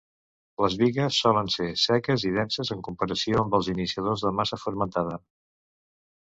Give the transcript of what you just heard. Les "bigas" solen ser seques i denses en comparació amb els iniciadors de massa fermentada.